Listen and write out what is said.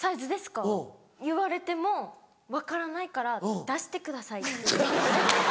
言われても分からないから「出してください」って言います。